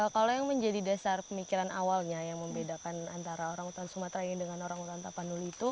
kalau yang menjadi dasar pemikiran awalnya yang membedakan antara orangutan sumatera ini dengan orangutan tapanuli itu